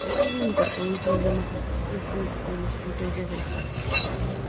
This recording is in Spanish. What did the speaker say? Este álbum incorporó un sonido más sinfónico y con muchas influencias de el folk.